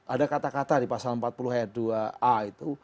ada kata kata di pasal empat puluh ayat dua a itu